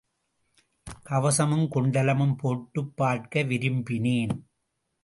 கவசமும் குண்டலமும் போட்டுப் பார்க்க விரும்பினேன்.